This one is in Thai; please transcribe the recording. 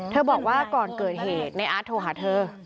บอกว่าก่อนเกิดเหตุในอาร์ตโทรหาเธอ